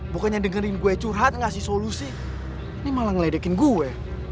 bukannya dengerin gue curhat ngasih solusi ini malah ngeledekin gue